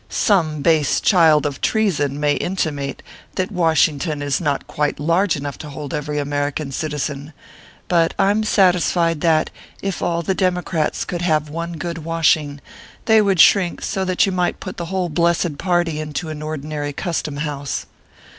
Some base child of treason may intimate that Washington is not quite large enough to hold every American citizen ; but I m satisfied that, if all the democrats could have one good washing, they would shrink so that you might put the whole blessed party into an ordinary custom house.